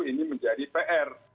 ini menjadi pr